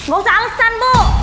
gak usah alesan bu